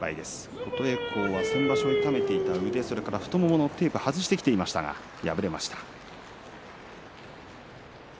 琴恵光は先場所痛めていた腕それから太もものテープを外してきましたけれども、敗れました。